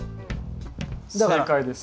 正解です。